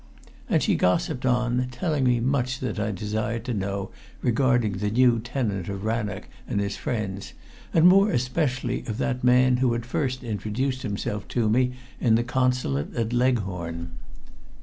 And she gossiped on, telling me much that I desired to know regarding the new tenant of Rannoch and his friends, and more especially of that man who had first introduced himself to me in the Consulate at Leghorn.